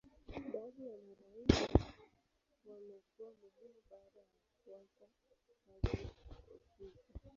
Baadhi ya marais wamekuwa muhimu baada ya kuacha kazi ofisi.